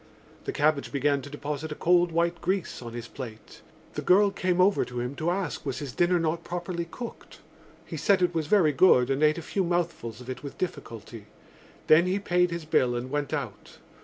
The cabbage began to deposit a cold white grease on his plate. The girl came over to him to ask was his dinner not properly cooked. He said it was very good and ate a few mouthfuls of it with difficulty. Then he paid his bill and went out.